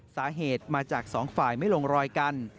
สาเหตุมาจากสองฝ่ายไม่ลงรอยกัน